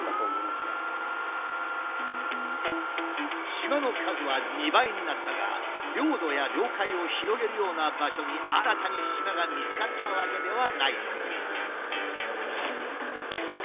島の数は２倍になったが領土や領海を広げるような場所に新たに島が見つかったわけではないという。